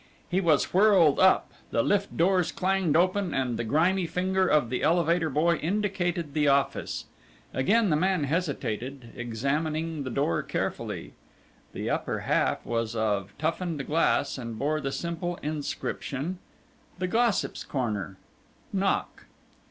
He was whirled up, the lift doors clanged open and the grimy finger of the elevator boy indicated the office. Again the man hesitated, examining the door carefully. The upper half was of toughened glass and bore the simple inscription: "THE GOSSIP'S CORNER. KNOCK."